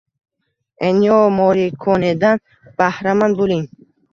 Ennio Morrikonedan bahramand bo‘ling.